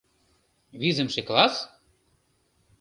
Визымше класс?